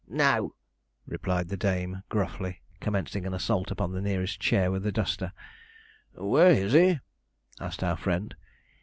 'No,' replied the dame gruffly, commencing an assault upon the nearest chair with a duster. 'Where is he?' asked our friend.